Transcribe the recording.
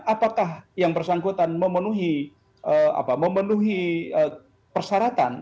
apakah yang bersangkutan memenuhi persyaratan